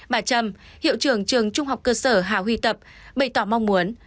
bà trâm hiệu trưởng trường trung học cơ sở hà huy tập bày tỏ mong muốn